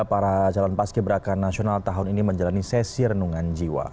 para calon paski beraka nasional tahun ini menjalani sesi renungan jiwa